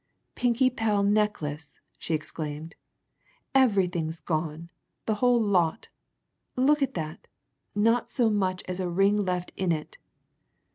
"Pinkie Pell necklace!" she exclaimed. "Everything's gone! The whole lot! Look at that not so much as a ring left in it!"